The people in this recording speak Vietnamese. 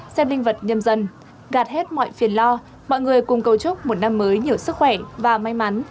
xem linh vật nhân dân gạt hết mọi phiền lo mọi người cùng cầu chúc một năm mới nhiều sức khỏe và may mắn